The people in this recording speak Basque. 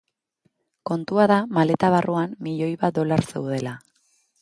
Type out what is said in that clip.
Kontua da maleta barruan milioi bat dolar zeudela.